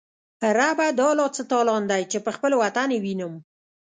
ربه دا لا څه تالان دی، چی به خپل وطن یې وینم